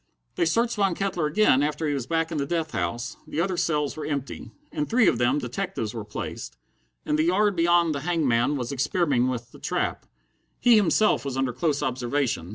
They searched Von Kettler again after he was back in the death house. The other cells were empty. In three of them detectives were placed. In the yard beyond the hangman was experimenting with the trap. He himself was under close observation.